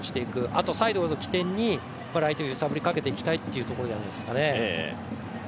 あとは、サイドを起点にライトに揺さぶりをかけていきたいというところじゃないですかね。